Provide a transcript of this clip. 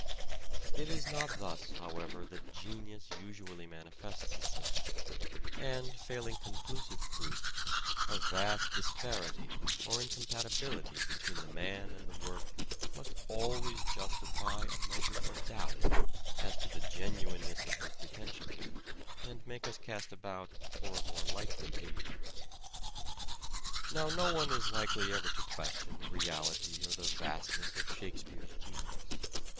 It is not thus, however, that genius usually manifests itself; and, failing conclusive proof, a vast disparity or incompatibility between the man and the work must always justify a measure of doubt as to the genuineness of his pretensions and make us cast about for a more likely agent. Now no one is likely ever to question the reality or the vastness of " Shakespeare's " genius.